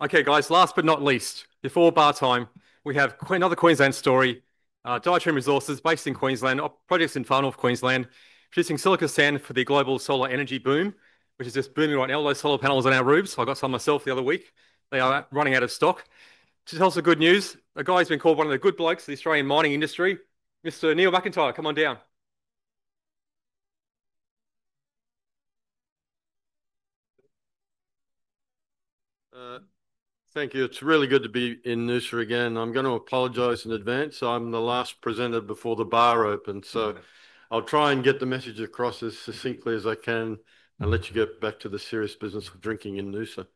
Okay, guys, last but not least, before bath time, we have another Queensland story. Diatreme Resources Limited, based in Queensland, are producing far north Queensland, producing silica sand for the global solar energy boom, which is just booming right now. All those solar panels on our roofs, I got some myself the other week. They are running out of stock. To tell us the good news, a guy's been called one of the good blokes in the Australian mining industry. Mr. Neil McIntyre, come on down. Thank you. It's really good to be in Noosa again. I'm going to apologize in advance. I'm the last presenter before the bar opens. I'll try and get the message across as succinctly as I can and let you get back to the serious business of drinking in Noosa.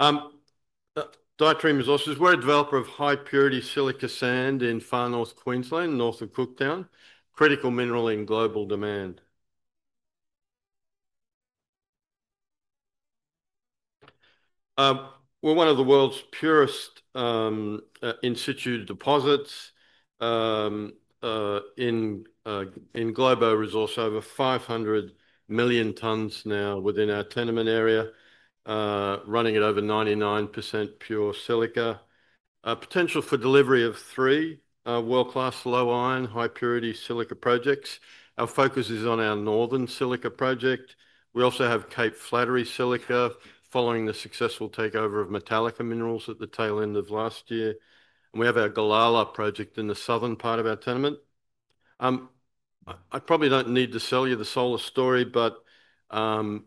Diatreme Resources, we're a developer of high-purity silica sand in far north Queensland, north of Cooktown, critical mineral in global demand. We're one of the world's purest in situ deposits in global resources, over 500 million tons now within our tenement area, running at over 99% pure silica. Potential for delivery of three world-class low-iron, high-purity silica projects. Our focus is on our Northern Silica Project. We also have Cape Flattery Silica following the successful takeover of Metallica Minerals Limited at the tail end of last year. We have our Galalar Project in the southern part of our tenement. I probably don't need to sell you the solar story, but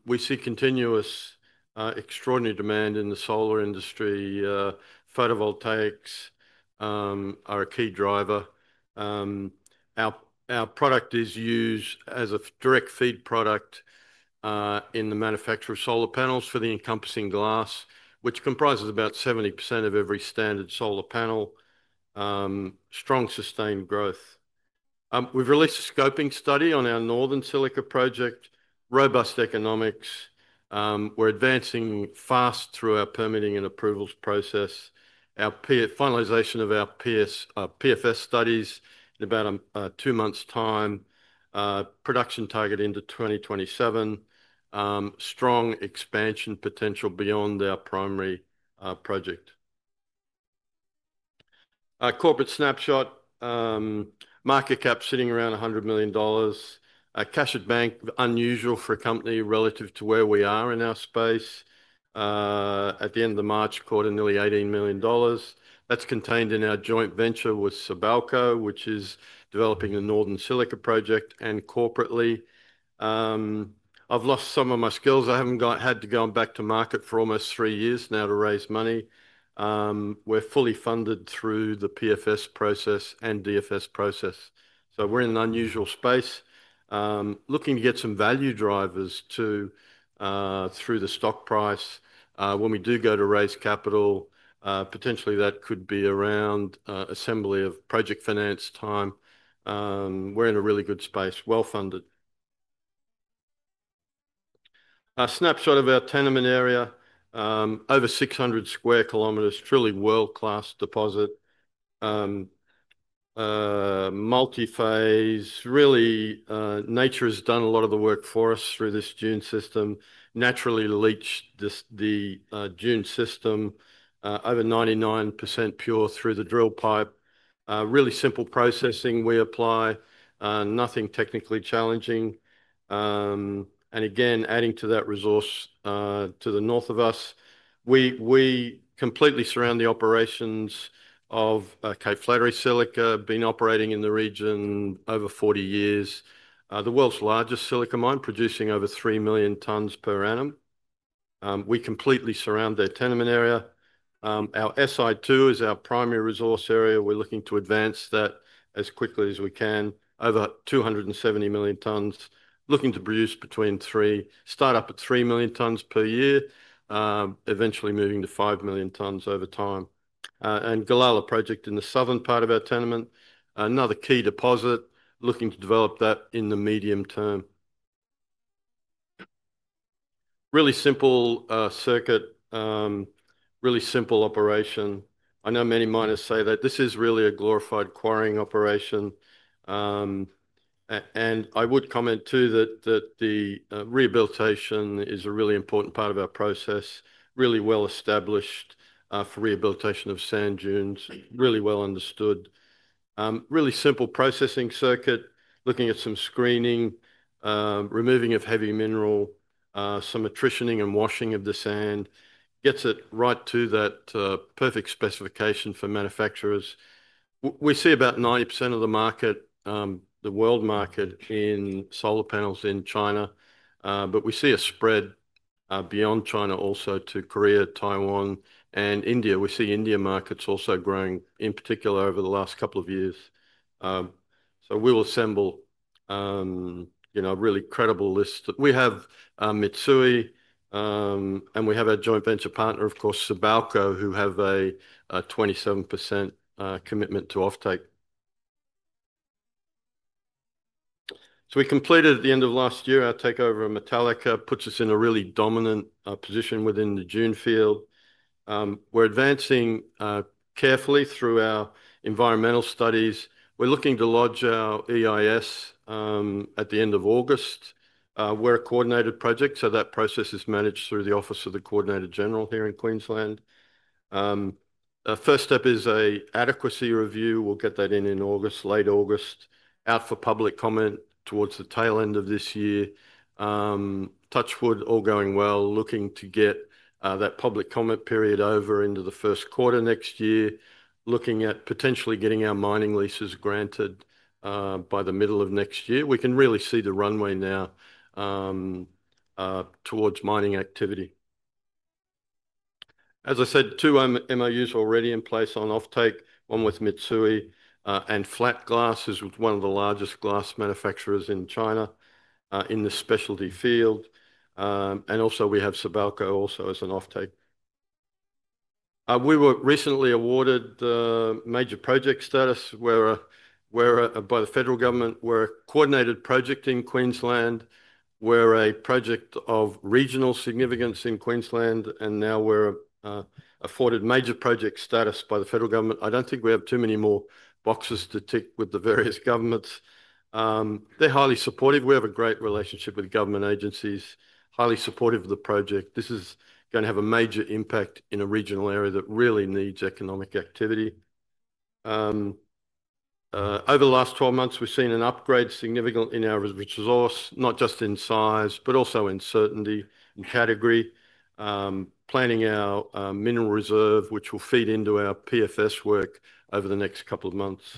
we see continuous extraordinary demand in the solar industry. Photovoltaics are a key driver. Our product is used as a direct feed product in the manufacture of solar panels for the encompassing glass, which comprises about 70% of every standard solar panel. Strong sustained growth. We've released a scoping study on our Northern Silica Project. Robust economics. We're advancing fast through our permitting and environmental approvals process. Our finalization of our PFS studies in about two months' time. Production target into 2027. Strong expansion potential beyond our primary project. Our corporate snapshot, market cap sitting around $100 million. Cash at bank, unusual for a company relative to where we are in our space. At the end of the March quarter, nearly $18 million. That's contained in our joint venture with Sibelco, which is developing the Northern Silica Project and corporately. I haven't had to go back to market for almost three years now to raise money. We're fully funded through the PFS process and DFS process. We're in an unusual space. Looking to get some value drivers through the stock price. When we do go to raise capital, potentially that could be around assembly of project finance time. We're in a really good space, well funded. A snapshot of our tenement area, over 600 square kilometers, truly world-class deposit. Multiphase, really, nature has done a lot of the work for us through this dune system. Naturally leached the dune system. Over 99% pure through the drill pipe. Really simple processing we apply. Nothing technically challenging. Again, adding to that resource to the north of us. We completely surround the operations of Cape Flattery Silica, been operating in the region over 40 years. The world's largest silica mine, producing over 3 million tons per annum. We completely surround their tenement area. Our Si2 Deposit is our primary resource area. We're looking to advance that as quickly as we can. Over 270 million tons, looking to produce between three, start up at 3 million tons per year, eventually moving to 5 million tons over time. The Galalar Project in the southern part of our tenement, another key deposit, looking to develop that in the medium term. Really simple circuit, really simple operation. I know many miners say that this is really a glorified quarrying operation. I would comment too that the rehabilitation is a really important part of our process. Really well established for rehabilitation of sand dunes. Really well understood. Really simple processing circuit. Looking at some screening, removing of heavy mineral, some attritioning and washing of the sand. Gets it right to that perfect specification for manufacturers. We see about 90% of the market, the world market in solar panels in China. We see a spread beyond China also to Korea, Taiwan, and India. We see India markets also growing in particular over the last couple of years. We'll assemble a really credible list. We have Mitsui, and we have our joint venture partner, of course, Sibelco, who have a 27% commitment to offtake. We completed at the end of last year our takeover of Metallica Minerals Limited, puts us in a really dominant position within the dune field. We're advancing carefully through our environmental studies. We're looking to lodge our EIS at the end of August. We're a coordinated project, so that process is managed through the Office of the Coordinator General here in Queensland. First step is an adequacy review. We'll get that in in August, late August, out for public comment towards the tail end of this year. Touch wood, all going well. Looking to get that public comment period over into the first quarter next year. Looking at potentially getting our mining leases granted by the middle of next year. We can really see the runway now towards mining activity. As I said, two MOUs already in place on offtake, one with Mitsui and Flat Glass Group, which is one of the largest glass manufacturers in China in the specialty field. Also we have Sibelco also as an offtake. We were recently awarded the Major Project Status by the federal government. We're a coordinated project in Queensland. We're a project of regional significance in Queensland, and now we're afforded Major Project Status by the federal government. I don't think we have too many more boxes to tick with the various governments. They're highly supportive. We have a great relationship with government agencies, highly supportive of the project. This is going to have a major impact in a regional area that really needs economic activity. Over the last 12 months, we've seen an upgrade significantly in our resource, not just in size, but also in certainty and category. Planning our mineral reserve, which will feed into our PFS work over the next couple of months.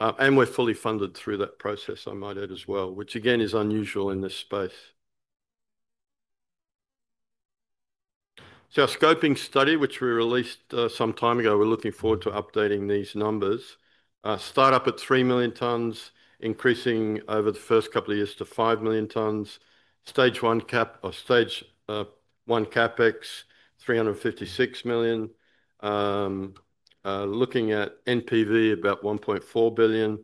We're fully funded through that process, I might add as well, which again is unusual in this space. Our scoping study, which we released some time ago, we're looking forward to updating these numbers. Start up at 3 million tons, increasing over the first couple of years to 5 million tons. Stage one capex, $356 million. Looking at NPV about $1.4 billion.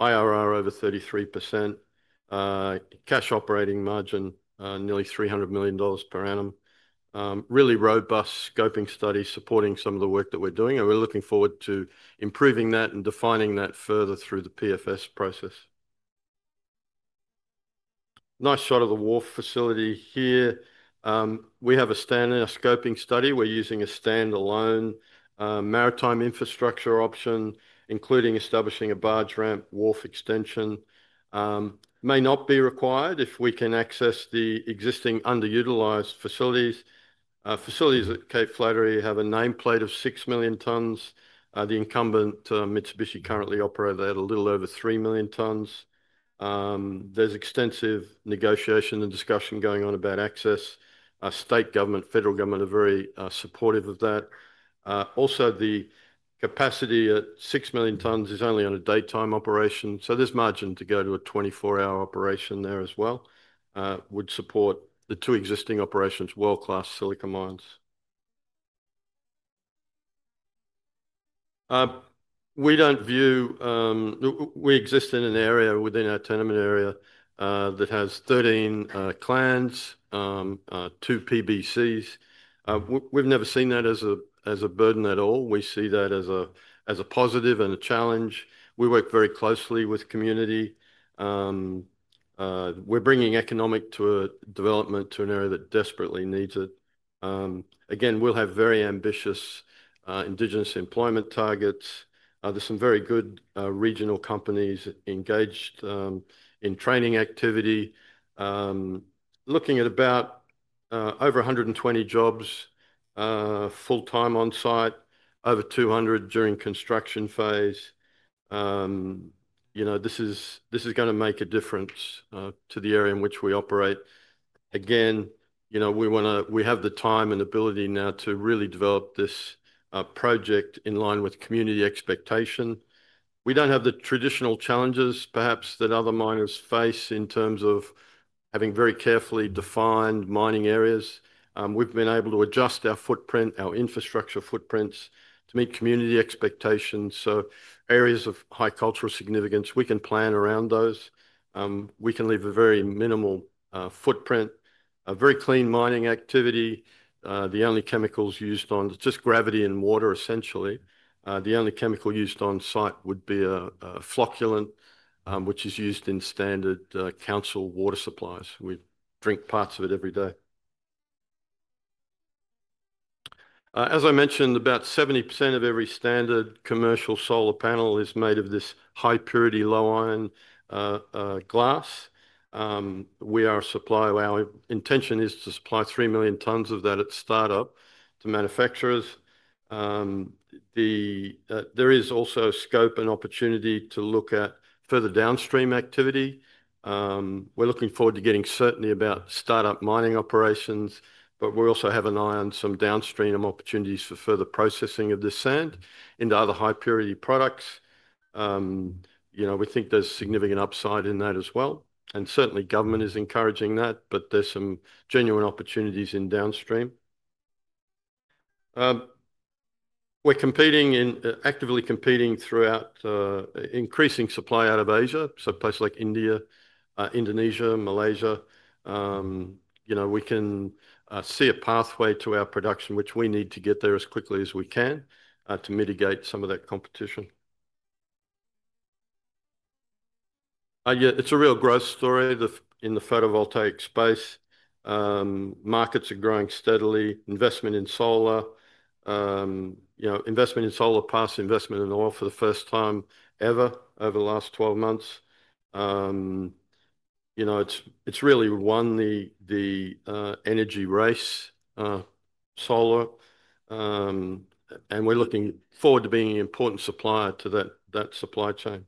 IRR over 33%. Cash operating margin, nearly $300 million per annum. Really robust scoping study supporting some of the work that we're doing. We're looking forward to improving that and defining that further through the PFS process. Nice shot of the wharf facility here. We have a standard, our scoping study. We're using a standalone maritime infrastructure option, including establishing a barge ramp wharf extension. May not be required if we can access the existing underutilized facilities. Facilities at Cape Flattery have a nameplate of 6 million tons. The incumbent Mitsubishi currently operated at a little over 3 million tons. There's extensive negotiation and discussion going on about access. State government, federal government are very supportive of that. Also, the capacity at 6 million tons is only on a daytime operation. There's margin to go to a 24-hour operation there as well, which would support the two existing operations, world-class silica mines. We don't view, we exist in an area within our tenement area that has 13 clans, two PBCs. We've never seen that as a burden at all. We see that as a positive and a challenge. We work very closely with community. We're bringing economic development to an area that desperately needs it. Again, we'll have very ambitious Indigenous employment targets. There's some very good regional companies engaged in training activity. Looking at about over 120 jobs full-time on site, over 200 during construction phase. This is going to make a difference to the area in which we operate. Again, we want to, we have the time and ability now to really develop this project in line with community expectation. We don't have the traditional challenges, perhaps, that other miners face in terms of having very carefully defined mining areas. We've been able to adjust our footprint, our infrastructure footprints, to meet community expectations. Areas of high cultural significance, we can plan around those. We can leave a very minimal footprint. A very clean mining activity. The only chemicals used on, it's just gravity and water essentially. The only chemical used on site would be a flocculant, which is used in standard council water supplies. We drink parts of it every day. As I mentioned, about 70% of every standard commercial solar panel is made of this high purity, low iron glass. We are a supplier. Our intention is to supply 3 million tons of that at startup to manufacturers. There is also scope and opportunity to look at further downstream activity. We're looking forward to getting certainty about startup mining operations, but we also have an eye on some downstream opportunities for further processing of the sand into other high purity products. We think there's significant upside in that as well. Certainly, government is encouraging that, but there's some genuine opportunities in downstream. We're competing and actively competing throughout increasing supply out of Asia. Places like India, Indonesia, Malaysia. We can see a pathway to our production, which we need to get there as quickly as we can to mitigate some of that competition. It's a real growth story in the photovoltaic space. Markets are growing steadily. Investment in solar, investment in solar passed investment in oil for the first time ever over the last 12 months. It's really won the energy race solar, and we're looking forward to being an important supplier to that supply chain.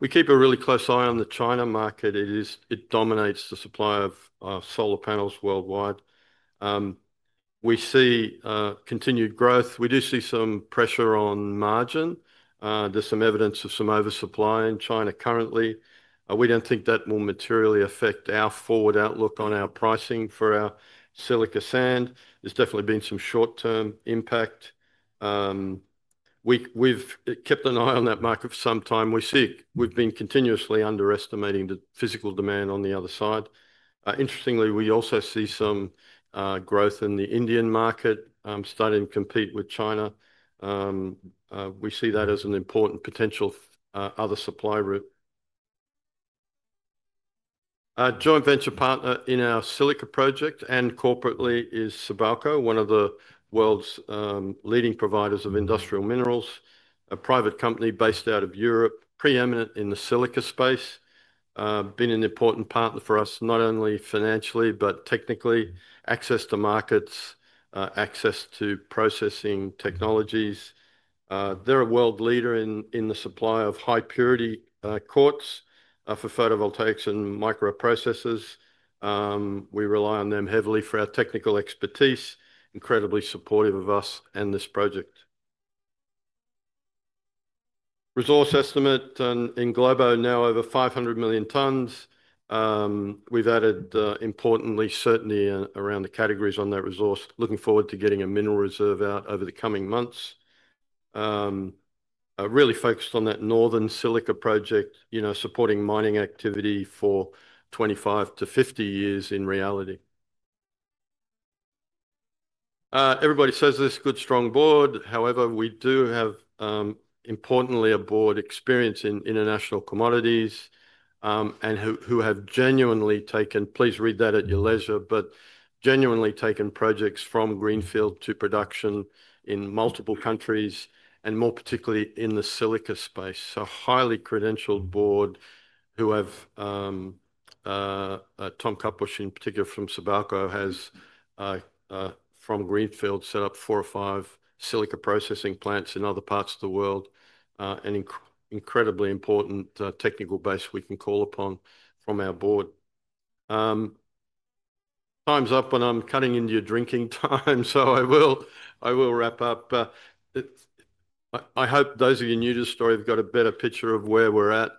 We keep a really close eye on the China market. It dominates the supply of solar panels worldwide. We see continued growth. We do see some pressure on margin. There's some evidence of some oversupply in China currently. We don't think that will materially affect our forward outlook on our pricing for our silica sand. There's definitely been some short-term impact. We've kept an eye on that market for some time. We've seen we've been continuously underestimating the physical demand on the other side. Interestingly, we also see some growth in the Indian market starting to compete with China. We see that as an important potential other supply route. Joint venture partner in our silica project and corporately is Sibelco, one of the world's leading providers of industrial minerals. A private company based out of Europe, preeminent in the silica space. Been an important partner for us, not only financially but technically. Access to markets, access to processing technologies. They're a world leader in the supply of high purity quartz for photovoltaics and microprocessors. We rely on them heavily for our technical expertise. Incredibly supportive of us and this project. Resource estimate in global now over 500 million tons. We've added important certainty around the categories on that resource. Looking forward to getting a mineral reserve out over the coming months. Really focused on that Northern Silica Project, you know, supporting mining activity for 25 to 50 years in reality. Everybody says this good strong board. However, we do have importantly a board experience in international commodities and who have genuinely taken, please read that at your leisure, but genuinely taken projects from greenfield to production in multiple countries and more particularly in the silica space. Highly credentialed board who have, Tom Kaposh in particular from Sibelco has from greenfield set up four or five silica processing plants in other parts of the world. An incredibly important technical base we can call upon from our board. Time's up and I'm cutting into your drinking time, so I will wrap up. I hope those of you who knew the story have got a better picture of where we're at.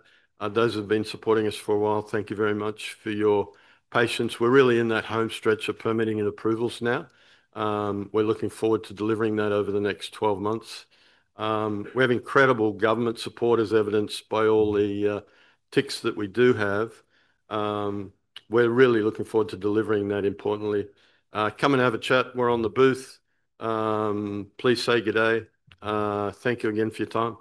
Those who have been supporting us for a while, thank you very much for your patience. We're really in that home stretch of permitting and approvals now. We're looking forward to delivering that over the next 12 months. We have incredible government support as evidenced by all the ticks that we do have. We're really looking forward to delivering that importantly. Come and have a chat. We're on the booth. Please say good day. Thank you again for your time.